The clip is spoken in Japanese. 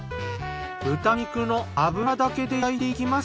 豚肉の油だけで焼いていきます。